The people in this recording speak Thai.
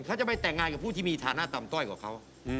เขาจะไปแต่งงานกับผู้ที่มีฐานะต่ำต้อยกว่าเขา